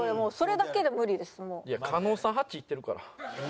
いや狩野さん８いってるから。